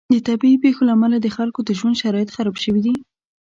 د طبعي پیښو له امله د خلکو د ژوند شرایط خراب شوي.